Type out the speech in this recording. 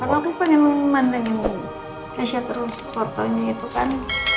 aku pengen mandi keisha terus fotonya itu kan